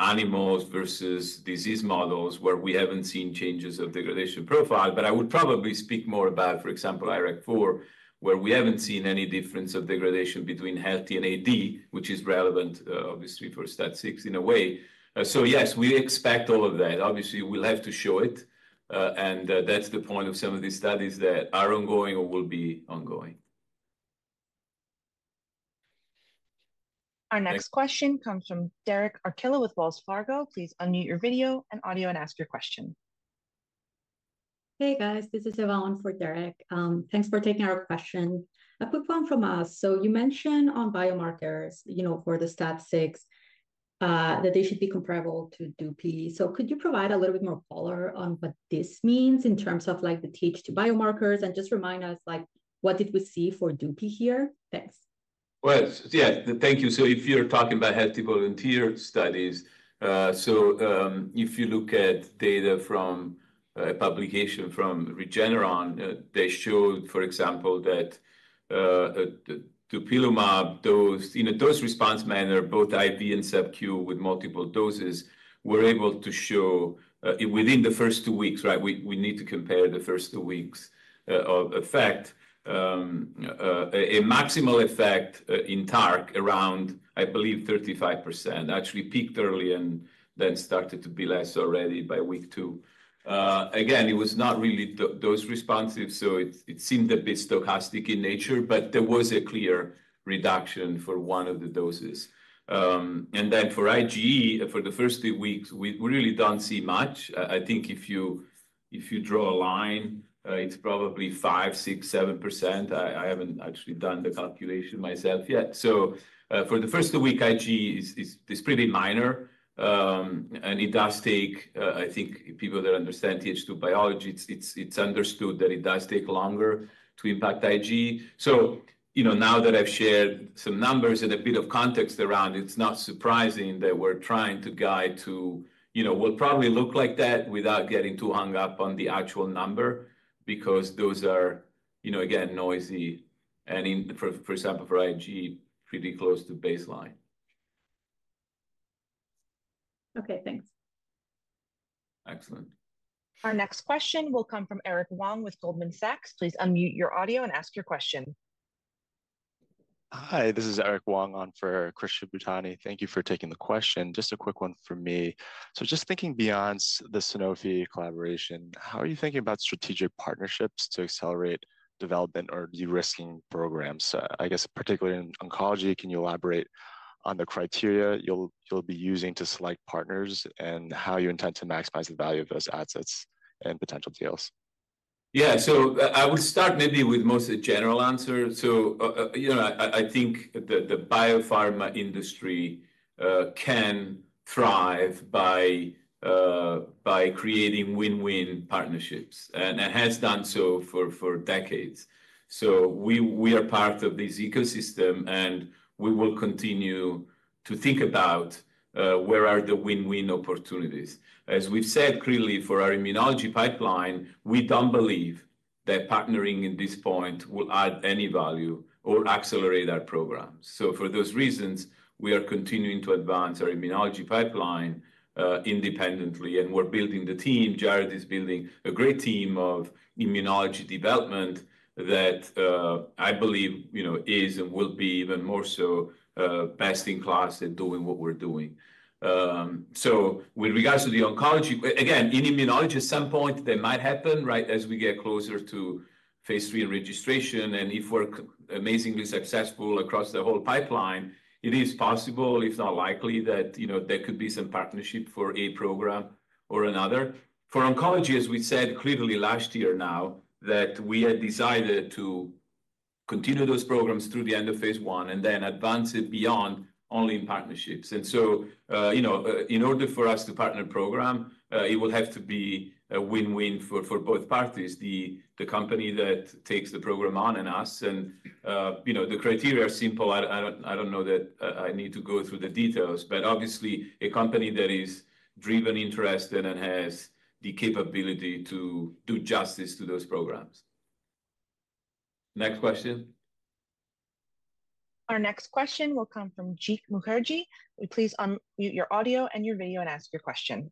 animals versus disease models where we haven't seen changes of degradation profile, but I would probably speak more about, for example, IRAK4, where we haven't seen any difference of degradation between healthy and AD, which is relevant, obviously, for STAT6 in a way. So yes, we expect all of that. Obviously, we'll have to show it. That's the point of some of these studies that are ongoing or will be ongoing.
Our next question comes from Derek Archila with Wells Fargo. Please unmute your video and audio and ask your question.
Hey, guys. This is Yuval on for Derek. Thanks for taking our question. A quick one from us. So you mentioned on biomarkers for the STAT6 that they should be comparable to dupi. So could you provide a little bit more color on what this means in terms of the Th2 biomarkers and just remind us what did we see for dupi here? Thanks.
Yeah. Thank you. So if you're talking about healthy volunteer studies, so if you look at data from a publication from Regeneron, they showed, for example, that dupilumab dosed in a dose-response manner, both IV and subcu with multiple doses, were able to show within the first two weeks, right? We need to compare the first two weeks of effect. A maximal effect in TARC around, I believe, 35%. Actually peaked early and then started to be less already by week two. Again, it was not really dose-responsive, so it seemed a bit stochastic in nature, but there was a clear reduction for one of the doses. And then for IgE, for the first two weeks, we really don't see much. I think if you draw a line, it's probably 5%, 6%, 7%. I haven't actually done the calculation myself yet. For the first two weeks, IgE is pretty minor. And it does take, I think, people that understand Th2 biology. It's understood that it does take longer to impact IgE. Now that I've shared some numbers and a bit of context around, it's not surprising that we're trying to guide to. It will probably look like that without getting too hung up on the actual number because those are, again, noisy. And for example, for IgE, pretty close to baseline.
Okay. Thanks.
Excellent.
Our next question will come from Erik Wong with Goldman Sachs. Please unmute your audio and ask your question.
Hi. This is Erik Wong on for Chris Shibutani. Thank you for taking the question. Just a quick one for me. So just thinking beyond the Sanofi collaboration, how are you thinking about strategic partnerships to accelerate development or de-risking programs? I guess, particularly in oncology, can you elaborate on the criteria you'll be using to select partners and how you intend to maximize the value of those assets and potential deals?
Yeah. So I would start maybe with mostly a general answer. So I think the biopharma industry can thrive by creating win-win partnerships and has done so for decades. So we are part of this ecosystem, and we will continue to think about where are the win-win opportunities. As we've said clearly for our immunology pipeline, we don't believe that partnering at this point will add any value or accelerate our programs. So for those reasons, we are continuing to advance our immunology pipeline independently. And we're building the team. Jared is building a great team of immunology development that I believe is and will be even more so best in class at doing what we're doing. So with regards to the oncology, again, in immunology, at some point, that might happen, right, as we get closer to phase III registration. And if we're amazingly successful across the whole pipeline, it is possible, if not likely, that there could be some partnership for a program or another. For oncology, as we said clearly last year now, that we had decided to continue those programs through the end of phase I and then advance it beyond only in partnerships. And so in order for us to partner program, it will have to be a win-win for both parties, the company that takes the program on and us. And the criteria are simple. I don't know that I need to go through the details, but obviously, a company that is driven, interested, and has the capability to do justice to those programs. Next question.
Our next question will come from Jeet Mukherjee. Please unmute your audio and your video and ask your question.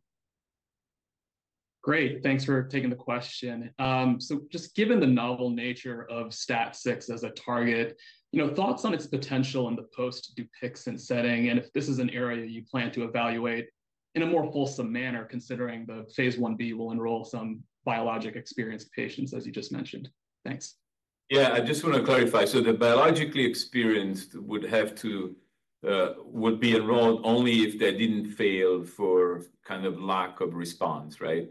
Great. Thanks for taking the question. So just given the novel nature of STAT6 as a target, thoughts on its potential in the post-DUPIXENT setting and if this is an area you plan to evaluate in a more fulsome manner, considering the phase I-B will enroll some biologic-experienced patients, as you just mentioned? Thanks.
Yeah. I just want to clarify. So the biologically experienced would be enrolled only if they didn't fail for kind of lack of response, right?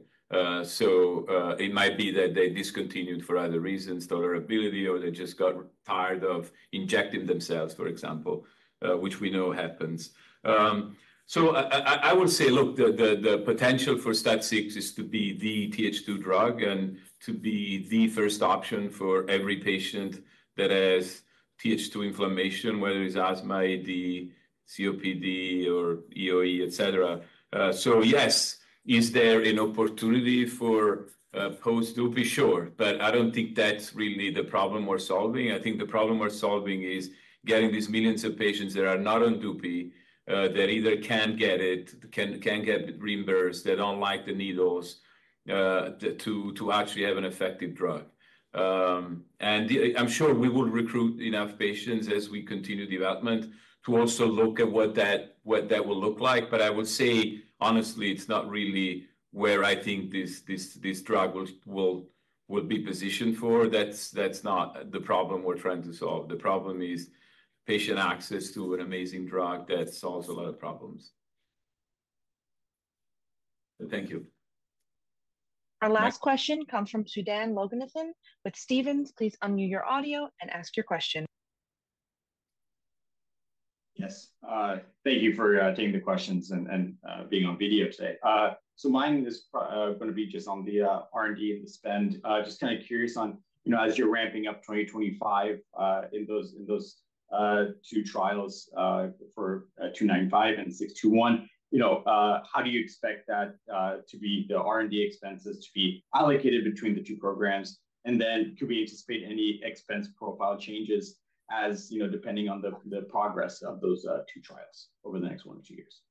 So it might be that they discontinued for other reasons, tolerability, or they just got tired of injecting themselves, for example, which we know happens. So I will say, look, the potential for STAT6 is to be the Th2 drug and to be the first option for every patient that has Th2 inflammation, whether it's asthma, AD, COPD, or EoE, etc. So yes, is there an opportunity for post-dupi? Sure. But I don't think that's really the problem we're solving. I think the problem we're solving is getting these millions of patients that are not on dupi, that either can't get it, can't get reimbursed, that don't like the needles to actually have an effective drug. And I'm sure we will recruit enough patients as we continue development to also look at what that will look like. But I would say, honestly, it's not really where I think this drug will be positioned for. That's not the problem we're trying to solve. The problem is patient access to an amazing drug that solves a lot of problems.
Thank you.
Our last question comes from Sudan Loganathan. But, Stephen, please unmute your audio and ask your question.
Yes. Thank you for taking the questions and being on video today. So mine is going to be just on the R&D and the spend. Just kind of curious on, as you're ramping up 2025 in those two trials for 295 and 621, how do you expect the R&D expenses to be allocated between the two programs? And then could we anticipate any expense profile changes depending on the progress of those two trials over the next one or two years?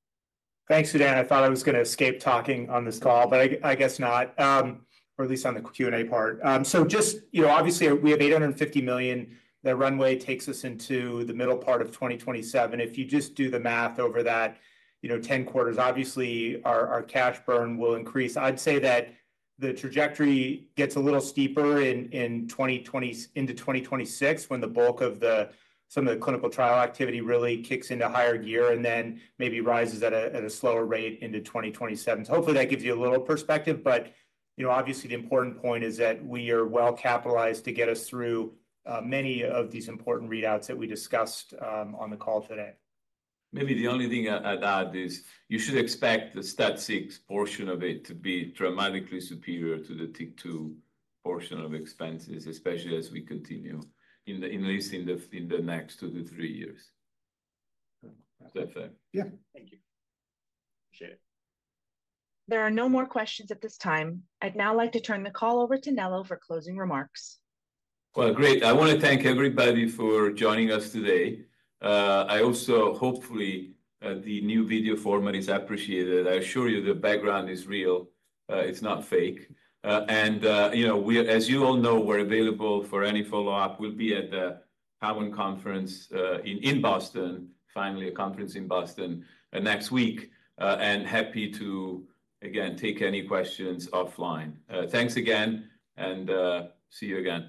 Thanks, Sudan. I thought I was going to escape talking on this call, but I guess not, or at least on the Q&A part. So just obviously, we have $850 million. The runway takes us into the middle part of 2027. If you just do the math over that 10 quarters, obviously, our cash burn will increase. I'd say that the trajectory gets a little steeper into 2026 when the bulk of some of the clinical trial activity really kicks into higher gear and then maybe rises at a slower rate into 2027. So hopefully, that gives you a little perspective. But obviously, the important point is that we are well capitalized to get us through many of these important readouts that we discussed on the call today.
Maybe the only thing I'd add is you should expect the STAT6 portion of it to be dramatically superior to the TYK2 portion of expenses, especially as we continue at least in the next two to three years. That's it.
Yeah.
There are no more questions at this time. I'd now like to turn the call over to Nello for closing remarks.
Great. I want to thank everybody for joining us today. I also, hopefully, the new video format is appreciated. I assure you the background is real. It's not fake. As you all know, we're available for any follow-up. We'll be at the Cowen Conference in Boston, finally, a conference in Boston next week. Happy to, again, take any questions offline. Thanks again, and see you again.